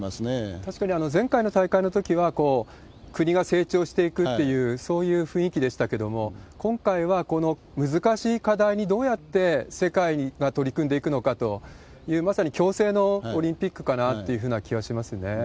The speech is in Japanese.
確かに前回の大会のときは、国が成長していくっていう、そういう雰囲気でしたけれども、今回は、この難しい課題にどうやって世界が取り組んでいくのかという、まさに共生のオリンピックかなっていうふうな気はしますね。